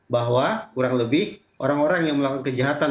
bahwa kurang lebih orang orang yang melakukan kejahatan